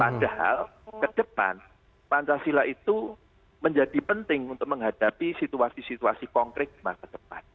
padahal ke depan pancasila itu menjadi penting untuk menghadapi situasi situasi konkret masa depan